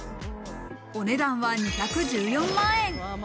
お値段は２１４万円。